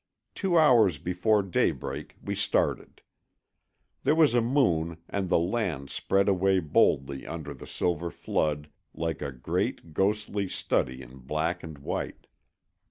Two hours before daybreak we started. There was a moon, and the land spread away boldly under the silver flood, like a great, ghostly study in black and white.